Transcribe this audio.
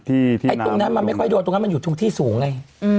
ไอ้ตรงนั้นไม่ค่อยโดนอยู่ทรงที่สูงไง